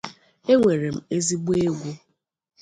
Enwere m ezigbo egwu.